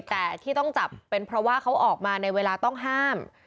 แต่ที่ต้องจับเป็นเพราะว่าเขาออกมาในเวลาต้องห้าม